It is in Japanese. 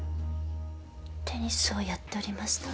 テニスをやっておりました。